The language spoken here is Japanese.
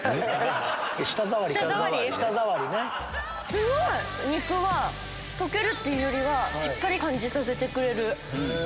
すごい！肉が溶けるっていうよりはしっかり感じさせてくれる。